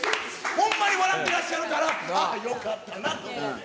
ほんまに笑ってらっしゃるから、ああ、よかったなと思って。